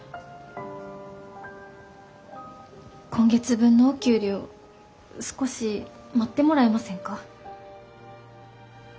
今月分のお給料少し待ってもらえませんか？